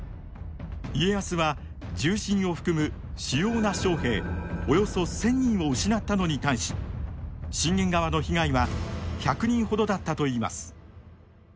家康は重臣を含む主要な将兵およそ１，０００人を失ったのに対し信玄側の被害は１００人ほどだったといいます。